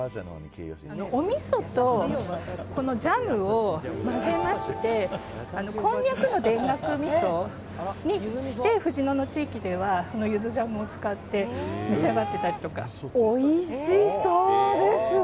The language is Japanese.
おみそとジャムを混ぜましてこんにゃくと田楽みそにして藤野の地域ではこのゆずジャムを使って召し上がっていただく。